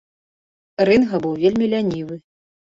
Рынга быў вельмі лянівы.